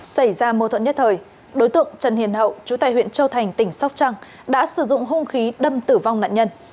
xảy ra mô thuận nhất thời đối tượng trần hiền hậu chủ tài huyện châu thành tỉnh sóc trăng đã sử dụng hung khí đâm tử vong nạn nhân